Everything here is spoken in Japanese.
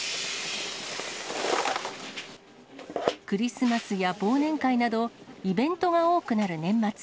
クリスマスや忘年会など、イベントが多くなる年末。